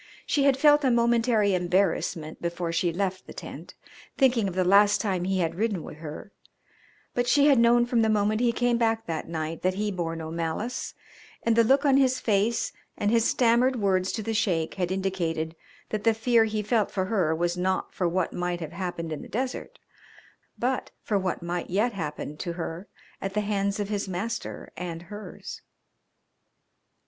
She had felt a momentary embarrassment before she left the tent, thinking of the last time he had ridden with her, but she had known from the moment he came back that night that he bore no malice, and the look on his face and his stammered words to the Sheik had indicated that the fear he felt for her was not for what might have happened in the desert, but for what might yet happen to her at the hands of his master and hers.